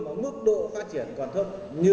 mà mức độ phát triển còn thấp như